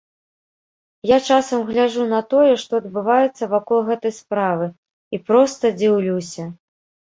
Я часам гляджу на тое, што адбываецца вакол гэтай справы, і проста дзіўлюся.